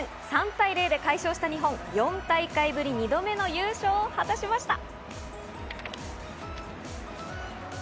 ３対０で快勝した日本は４大会ぶり２度目の優勝を果たしました。